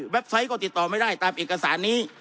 ไซต์ก็ติดต่อไม่ได้ตามเอกสารนี้